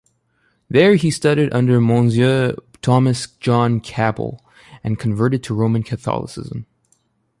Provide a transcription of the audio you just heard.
There, he studied under Monsignor Thomas John Capel and converted to Roman Catholicism.